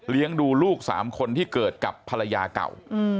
เลี้ยงดูลูกสามคนที่เกิดกับภรรยาเก่า